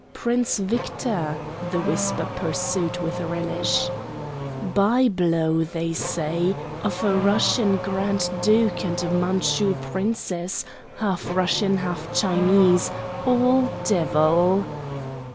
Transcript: "Prince Victor," the whisper pursued with relish—"by blow, they say, of a Russian grand duke and a Manchu princess—half Russian, half Chinese, all devil!"